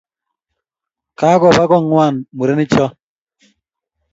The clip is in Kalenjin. Kakopa kong'wan murenek cho